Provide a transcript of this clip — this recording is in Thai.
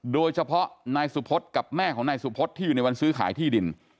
โดยเฉพาะนายสุพธกับแม่ของนายสุพศที่อยู่ในวันซื้อขายที่ดิน